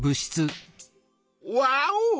ワオ！